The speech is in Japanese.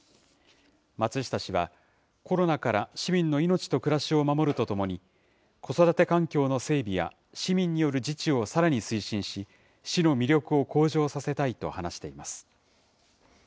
松下氏は、コロナから市民の命と暮らしを守るとともに、子育て環境の整備や市民による自治をさらに推進し、市の魅力を向上させたいと話しています。